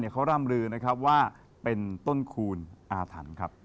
คือนะครับว่าเป็นต้นคูณอาถรรพ์ครับ